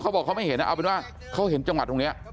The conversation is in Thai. เขาบอกเขาไม่เห็นเอาเป็นว่าเขาเห็นจังหวัดตรงนี้